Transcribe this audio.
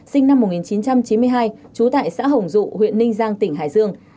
sinh năm một nghìn chín trăm chín mươi hai trú tại xã hồng dụ huyện ninh giang tỉnh hải dương